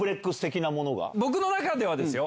僕の中ではですよ。